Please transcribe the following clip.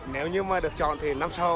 nếu như mới được chọn thì năm sau